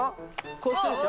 こうするでしょ。